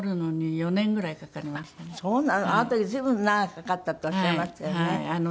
あの時随分長くかかったっておっしゃいましたよね。